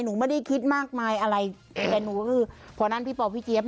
หนูไม่ได้คิดมากมายอะไรแต่หนูก็คือพอนั้นพี่ปอพี่เจี๊ยบ